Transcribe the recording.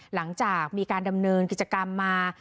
หลังจากมีการดำเนินกิจกรรมมา